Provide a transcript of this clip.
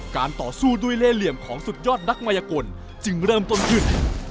ต่อสู้ด้วยเล่เหลี่ยมของสุดยอดนักมายกลจึงเริ่มต้นขึ้น